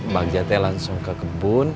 bagjate langsung ke kebun